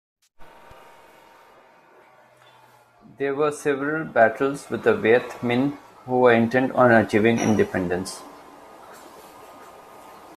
There were several battles with the Viet Minh, who were intent on achieving independence.